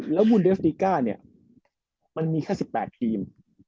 วูลเดสติก้าเนี่ยมันมีแค่๑๘ทีม